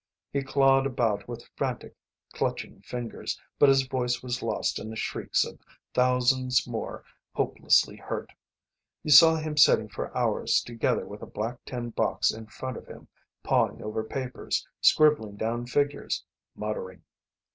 He clawed about with frantic, clutching fingers but his voice was lost in the shrieks of thousands more hopelessly hurt. You saw him sitting for hours together with a black tin box in front of him, pawing over papers, scribbling down figures, muttering.